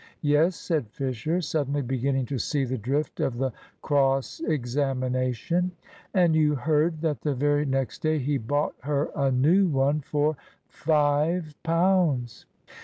"Yes," said Fisher, suddenly beginning to see the drift of the cross examination. "And you heard that the very next day he bought her a new one for five pounds?"